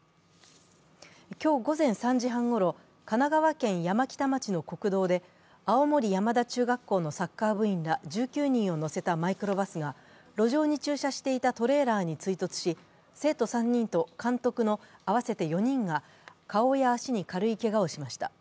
今日午前３時半ごろ神奈川県山北町の国道で青森山田中学校のサッカー部員ら１９人を乗せたマイクロバスが路上に駐車していたトレーラーに追突し、生徒３人と監督の合わせて４人が顔や足に軽いけがをしました。